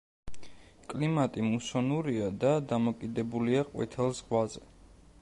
კლიმატი მუსონურია და დამოკიდებულია ყვითელ ზღვაზე.